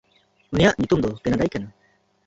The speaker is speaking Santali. ᱩᱱᱤᱭᱟᱜ ᱧᱩᱛᱩᱢ ᱫᱚ ᱠᱮᱱᱟᱰᱭ ᱠᱟᱱᱟ᱾